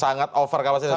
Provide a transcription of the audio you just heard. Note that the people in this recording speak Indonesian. sangat over kapasitas